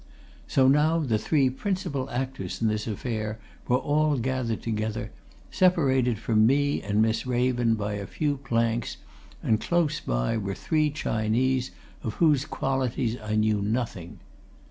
So now the three principal actors in this affair were all gathered together, separated from me and Miss Raven by a few planks, and close by were three Chinese of whose qualities I knew nothing.